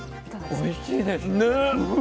おいしいです。